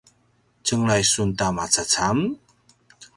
tjenglai sun ta macacam?